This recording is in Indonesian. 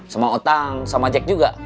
sama utang sama jack juga